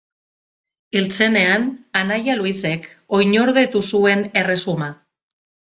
Hil zenean, anaia Luisek oinordetu zuen erresuma.